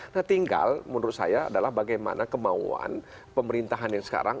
nah tinggal menurut saya adalah bagaimana kemauan pemerintahan yang sekarang